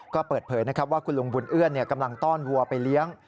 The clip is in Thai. ก็เปิดเผยนะครับว่าคุณลุงบุญเอื้อนกำลังต้อนวัวไปเลี้ยง